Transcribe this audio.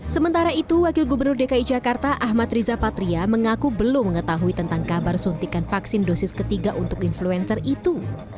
sementara itu wakil gubernur dki jakarta ahmad riza patria mengaku belum mengetahui tentang kabar suntikan vaksin dosis ketiga untuk influencer itu